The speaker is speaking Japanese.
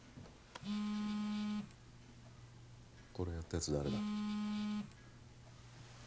これやったやつ誰だ？